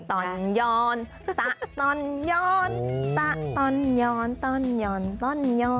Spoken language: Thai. ตอนยอนตะตอนยอนตะตอนยอนตอนยอนตอนยอน